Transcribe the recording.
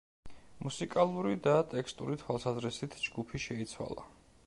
მუსიკალური და ტექსტური თვალსაზრისით ჯგუფი შეიცვალა.